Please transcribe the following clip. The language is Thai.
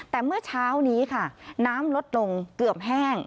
แต่เมื่อเช้านี้ค่ะน้ำลดลงเกือบแห้ง